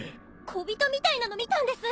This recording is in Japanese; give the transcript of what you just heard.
小人みたいなの見たんです。